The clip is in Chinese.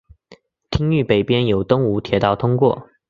町域北边有东武铁道通过。